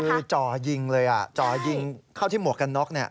คือจ่อยิงเลยอ่ะจ่อยิงเข้าที่หมวกกันน็อกเนี่ย